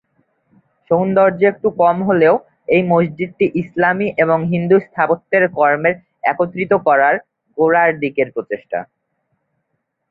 সৌন্দর্যে একটু কম হলেও, এই মসজিদটি ইসলামী এবং হিন্দু স্থাপত্যের কর্মের একত্রিত করার গোড়ার দিকের প্রচেষ্টা।